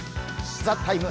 「ＴＨＥＴＩＭＥ，」